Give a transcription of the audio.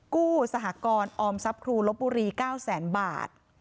กู้สหกรออมทรัพย์ครูลบบุรี๙๐๐๐๐๐บาท